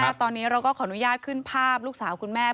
ต่อค่ะคุณแม่ตอนนี้เราก็ขออนุญาตขึ้นภาพลูกสาวคุณแม่